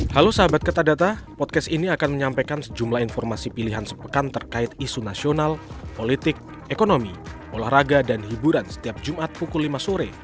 halo sahabat kertadata podcast ini akan menyampaikan sejumlah informasi pilihan sepekan terkait isu nasional politik ekonomi olahraga dan hiburan setiap jumat pukul lima sore